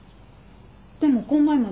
でもこん前まで